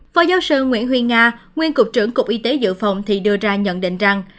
phó giáo sư nguyễn huy nga nguyên cục trưởng cục y tế dự phòng thì đưa ra nhận định rằng